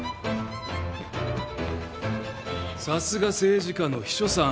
さすが政治家の秘書さん。